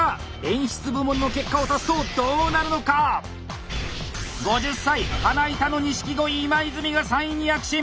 演出部門の結果を足すとどうなるのか⁉５０歳花板の錦鯉今泉が３位に躍進！